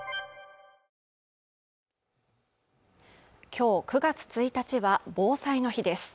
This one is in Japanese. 今日９月１日は防災の日です